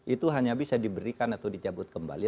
itu hanya bisa diberikan atau dicabut kembali